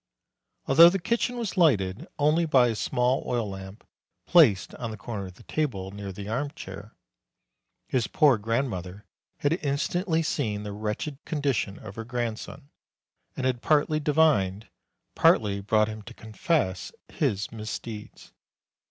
Although the kitchen was lighted only by a small oil lamp, placed on the corner of the table, near the arm chair, his poor grandmother had instantly seen the wretched condition of her grandson, and had partly 190 MARCH divined, partly brought him to confess, his misdeeds.